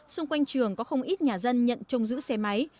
xung quanh trường có không ít nhà dân nhận trông giữ xe máy